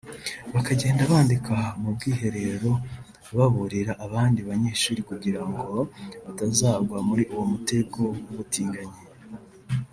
bakagenda bandika mu bwiherero baburira abandi banyeshuri kugira ngo batazagwa muri uwo mutego w’ubutinganyi